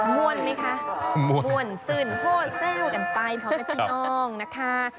มวลมั้ยคะมวลมวลซึ่งโหดแซ่วกันไปเพราะไม่ต้องนะคะ